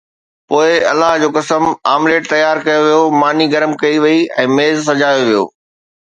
پوءِ الله جو قسم، آمليٽ تيار ڪيو ويو، ماني گرم ڪئي وئي ۽ ميز سجايو ويو